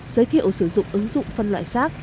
giới thiệu sử dụng ứng dụng phân loại giác